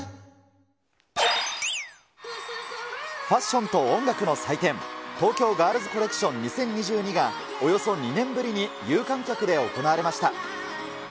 ファッションと音楽の祭典、東京ガールズコレクション２０２２が、およそ２年ぶりに、有観客で行われました。